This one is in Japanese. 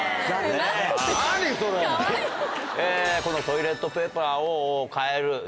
この「トイレットペーパーを替える」